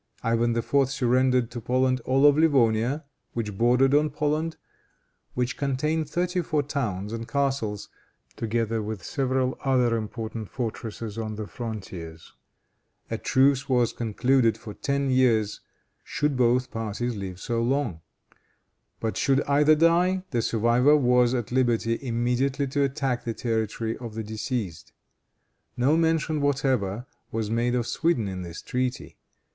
Ivan IV. surrendered to Poland all of Livonia which bordered on Poland, which contained thirty four towns and castles, together with several other important fortresses on the frontiers. A truce was concluded for ten years, should both parties live so long. But should either die, the survivor was at liberty immediately to attack the territory of the deceased. No mention whatever was made of Sweden in this treaty.